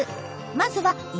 まずは耳。